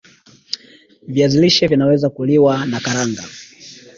viazi lishe Vinaweza kuliwa nakaranga